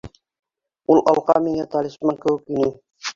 Ул алҡа миңә талисман кеүек ине.